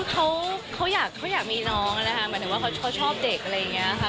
เขาเขาอยากเขาอยากมีน้องอ่ะนะคะหมายถึงว่าเขาชอบเด็กอะไรอย่างเงี้ยค่ะ